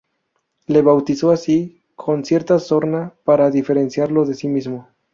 Le bautizó así, con cierta sorna, para diferenciarlo de sí mismo.